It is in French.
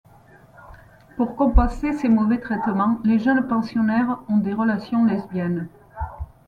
Pour compenser ces mauvais traitements, les jeunes pensionnaires ont des relations lesbiennes.